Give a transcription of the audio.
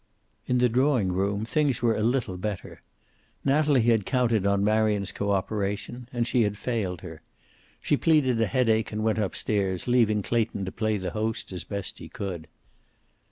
In the drawing room things were little better. Natalie had counted on Marion's cooperation, and she had failed her. She pleaded a headache and went up stairs, leaving Clayton to play the host as best he could.